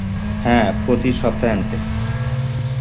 হ্যাঁ, প্রতি সপ্তাহান্তে।